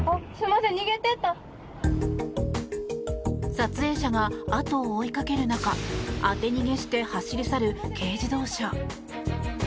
撮影者が、後を追いかける中当て逃げして走り去る軽自動車。